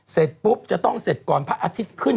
เสร็จปุ๊บจะต้องเสร็จก่อนพระอาทิตย์ขึ้น